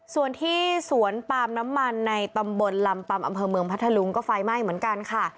ส่วนที่สวนปามน้ำมันในตำบลลำปามอำเภอเมืองพัทธลุงก็ไฟไหม้เหมือนกันค่ะ